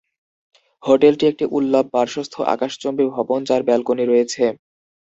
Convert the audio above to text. হোটেলটি একটি উল্লম্ব-পার্শ্বস্থ আকাশচুম্বী ভবন যার ব্যালকনি রয়েছে।